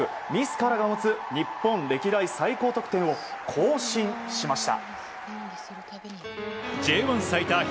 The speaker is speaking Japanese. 自らが持つ日本歴代最高得点を更新しました。